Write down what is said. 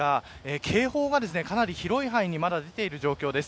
警報が広い範囲に出ている状況です。